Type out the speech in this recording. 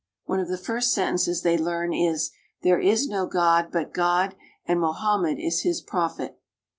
One of the first sen tences they learn is: There is no God but God, and Mohammed is His prophet."